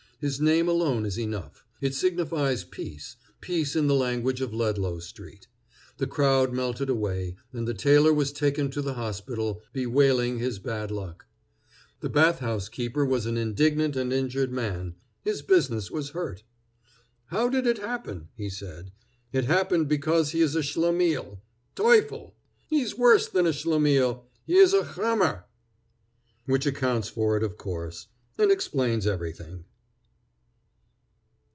His name alone is enough. It signifies peace peace in the language of Ludlow street. The crowd melted away, and the tailor was taken to the hospital, bewailing his bad luck. The bath house keeper was an indignant and injured man. His business was hurt. "How did it happen?" he said. "It happened because he is a schlemiehl. Teufel! he's worse than a schlemiehl; he is a chammer." Which accounts for it, of course, and explains everything.